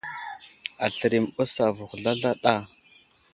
Aslər i məɓəs avuhw zlazlaɗa.